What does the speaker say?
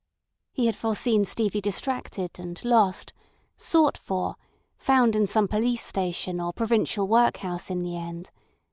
He had foreseen Stevie distracted and lost—sought for—found in some police station or provincial workhouse in the end.